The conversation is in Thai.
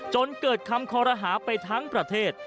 จนเกิดคำคอรหาไปทั้งประเทศ